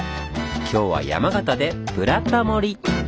今日は山形で「ブラタモリ」！